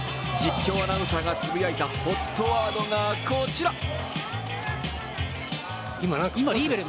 実況アナウンサーがつぶやいたＨＯＴワードがこちら。